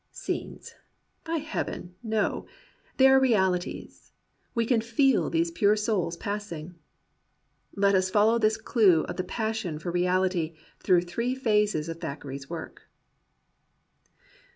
Scenes ! By Heaven ! no, they are reaU ties. We can feel those pure souls passing. Let us follow this clew of the passion for reaUty through the three phases of Thackeray's work.